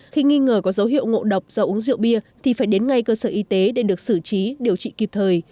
khi nghi ngờ có dấu hiệu ngộ độc do uống rượu bia thì phải đến ngay cơ sở y tế để được xử trí điều trị kịp thời